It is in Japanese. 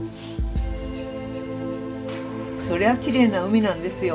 それはきれいな海なんですよ